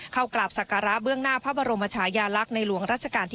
เข้ากราบศักระเบื้องหน้าพระบรมชายาลักษณ์ในหลวงราชการที่๙